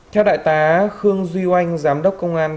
theo đại tá khương duy oanh giám đốc công an